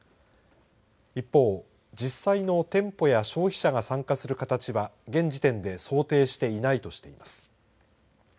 一方、実際の店舗や消費者が参加する形は現時点で想定していないとしています。